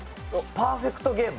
『パーフェクト・ゲーム』？